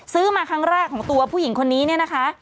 ซื้อมาครั้งแรกของตัวผู้หญิงคนนี้เนี่ยนะคะ